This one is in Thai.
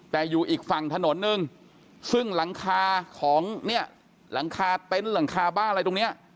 แต่อยู่อีกฝั่งถนนนึงซึ่งหลังคาของเนี่ยหลังคาเต็นต์หลังคาบ้านอะไรตรงเนี้ย